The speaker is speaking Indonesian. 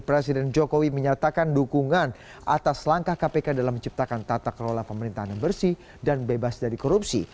presiden jokowi menyatakan dukungan atas langkah kpk dalam menciptakan tata kelola pemerintahan yang bersih dan bebas dari korupsi